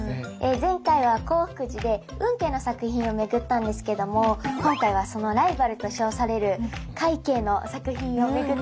前回は興福寺で運慶の作品を巡ったんですけども今回はそのライバルと称される快慶の作品を巡っていきたいと思います！